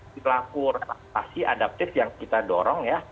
berlaku adaptasi adaptif yang kita dorong ya